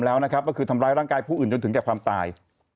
แล้วนะครับก็คือทำร้ายร่างกายผู้อื่นจนถึงแก่ความตาย